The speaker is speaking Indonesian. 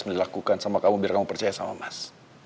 dilakukan sama kamu biar kamu percaya sama mas